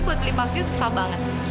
buat beli passio susah banget